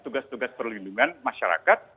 tugas tugas perlindungan masyarakat